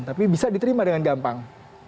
tapi bisa diterima dengan gampang